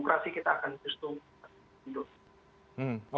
demokrasi kita akan justru hidup